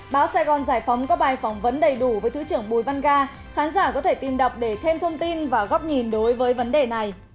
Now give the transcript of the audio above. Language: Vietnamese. báo sài gòn giải phóng có bài phỏng vấn đầy đủ với thứ trưởng bùi văn ga khán giả có thể tìm đọc để thêm thông tin và góc nhìn đối với vấn đề này